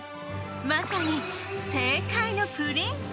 まさに、政界のプリンス。